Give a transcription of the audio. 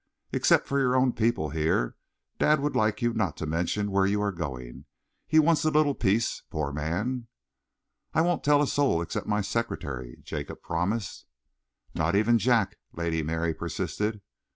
Except for your own people here, dad would like you not to mention where you are going. He wants a little peace, poor man." "I won't tell a soul except my secretary," Jacob promised. "Not even Jack," Lady Mary persisted.